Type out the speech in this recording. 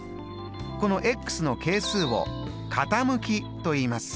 このの係数を傾きといいます。